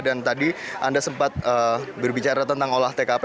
dan tadi anda sempat berbicara tentang olah tkp